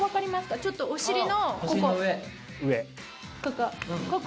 ちょっとお尻のここここ。